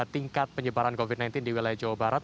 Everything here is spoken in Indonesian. tingkat penyebaran covid sembilan belas di wilayah jawa barat